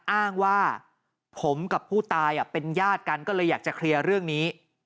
อ้างว่าผมกับผู้ตายเป็นญาติกันก็เลยอยากจะเคลียร์เรื่องนี้